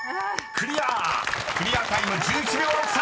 ［クリアタイム１１秒６３。